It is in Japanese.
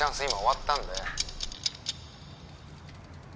今終わったんだよ